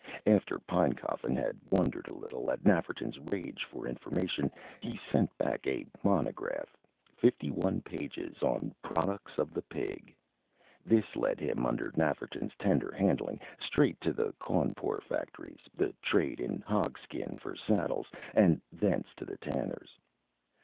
After Pinecoffin had wondered a little at Nafferton's rage for information, he sent back a monograph, fifty one pages, on "Products of the Pig." This led him, under Nafferton's tender handling, straight to the Cawnpore factories, the trade in hog skin for saddles and thence to the tanners.